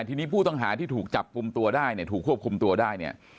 ทีนี้ผู้ต้องหาที่ถูกจับกลุ่มตัวได้เนี่ยถูกควบคุมตัวได้เนี่ย